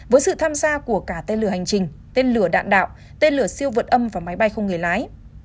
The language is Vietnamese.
với sự tham gia của cả tên lửa hành trình tên lửa đạn đạo tên lửa siêu vượt âm và máy bay không người lái